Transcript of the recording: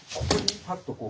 フッとこう。